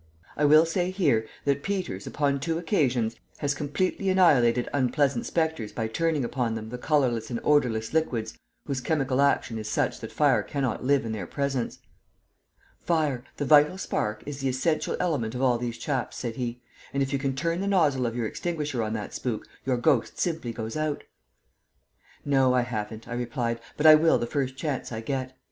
I will say here, that Peters upon two occasions has completely annihilated unpleasant spectres by turning upon them the colorless and odorless liquids whose chemical action is such that fire cannot live in their presence. "Fire, the vital spark, is the essential element of all these chaps," said he, "and if you can turn the nozzle of your extinguisher on that spook your ghost simply goes out." "No, I haven't," I replied; "but I will the first chance I get."